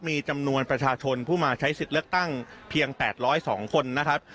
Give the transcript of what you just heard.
มีจำนวนประชาชนผู้มาใช้สิทธิ์เลือกตั้งเพียง๘๐๒คนนะครับ